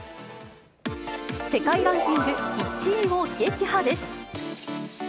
世界ランキング１位を撃破です。